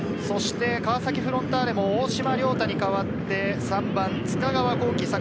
そして川崎フロンターレも大島僚太に代わって、３番・塚川孝輝。